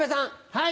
はい。